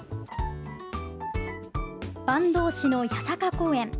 坂東市の八坂公園。